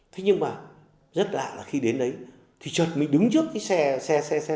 thế nhưng mà rất lạ là khi đến đấy thì chợt mình đứng trước cái xe xe xe thồ ấy